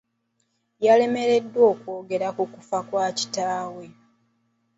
Yalemereddwa okwogera ku kufa kwa kitaawe.